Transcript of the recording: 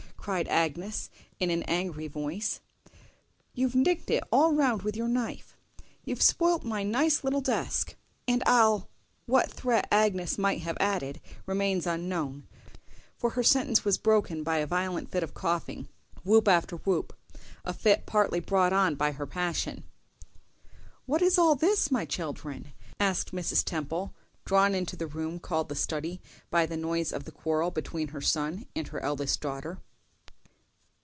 cried Agnes, in an angry voice; "you've nicked it all round with your knife, you've spoilt my nice little desk, and I'll"— What threat Agnes might have added remains unknown, for her sentence was broken by a violent fit of coughing, whoop after whoop—a fit partly brought on by her passion. "What is all this, my children?" asked Mrs. Temple, drawn into the room called the study by the noise of the quarrel between her son and her eldest daughter.